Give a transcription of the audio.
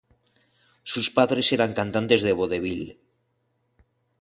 Sus padres eran cantantes de vodevil.